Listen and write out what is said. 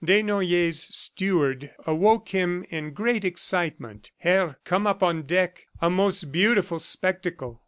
Desnoyers' steward awoke him in great excitement. "Herr, come up on deck! a most beautiful spectacle!"